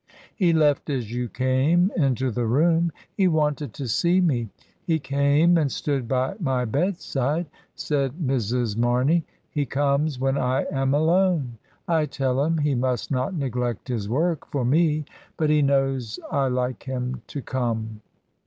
"He left as you came into the room. He wanted to see me. He came and stood by my bedside," said Mrs. Marney. "He comes when I am alone. I tell him he must not neglect his work for me; but he knows I like him to come."